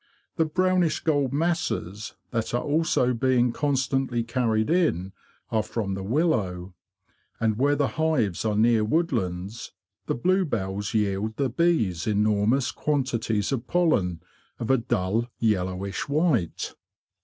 The brownish gold masses that are also being constantly carried in are from the willow; and where the hives are near wood lands the bluebells yield the bees enormous quantities of pollen of a dull yellowish white.